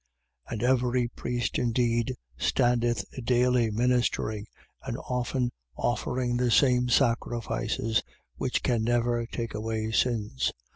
10:11. And every priest indeed standeth daily ministering and often offering the same sacrifices which can never take away sins.